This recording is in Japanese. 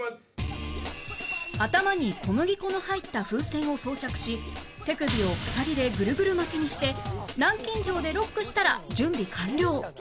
頭に小麦粉の入った風船を装着し手首を鎖でグルグル巻きにして南京錠でロックしたら準備完了